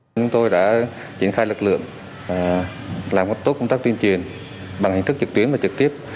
chúng tôi đã triển khai lực lượng làm tốt công tác tuyên truyền bằng hình thức trực tuyến và trực tiếp